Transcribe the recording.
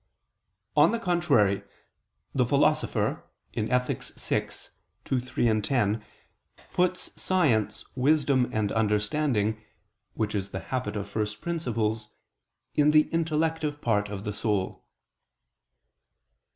On the contrary, The Philosopher (Ethic. vi, 2, 3, 10) puts science, wisdom and understanding, which is the habit of first principles, in the intellective part of the soul.